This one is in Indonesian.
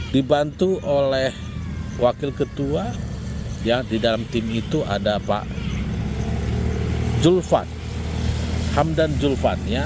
dibantu oleh wakil ketua di dalam tim itu ada pak julvan hamdan julvan